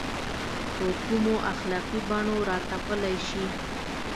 په کومو اخلاقي بڼو راتپلی شي.